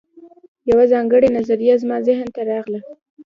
یوه ځانګړې نظریه زما ذهن ته راغله